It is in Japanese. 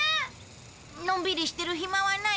のんびりしてるヒマはない。